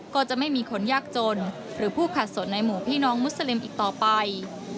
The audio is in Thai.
ก็จะไม่มีคนยากจนหรือผู้ขาดสนในหมู่พี่น้องมุสลิมอีกต่อไป